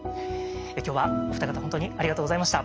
今日はお二方本当にありがとうございました。